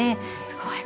すごい。